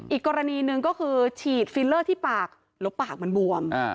อีกกรณีหนึ่งก็คือฉีดฟิลเลอร์ที่ปากแล้วปากมันบวม